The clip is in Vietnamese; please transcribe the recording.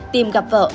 tìm gặp vợ